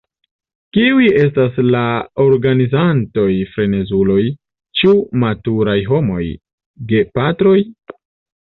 Kiuj estas la organizantoj-frenezuloj, ĉu maturaj homoj, gepatroj?